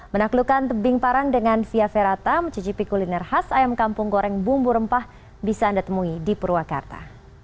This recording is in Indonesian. menaklukkan tebing parang dengan via ferata mencicipi kuliner khas ayam kampung goreng bumbu rempah bisa anda temui di purwakarta